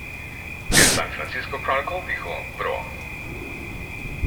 El San Francisco Chronicle dijo "Pro.